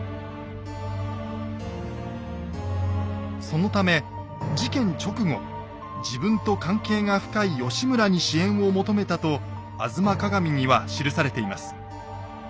そのため事件直後自分と関係が深い義村に支援を求めたと「吾妻鏡」には記されています。